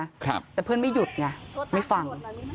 ครับแต่เพื่อนไม่หยุดเนี่ยไม่ฟัง